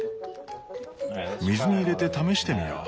水に入れて試してみよう。